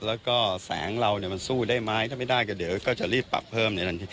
แล้วก็แสงเรามันสู้ได้ไหมถ้าไม่ได้ก็เดี๋ยวก็จะรีบปรับเพิ่มในทันที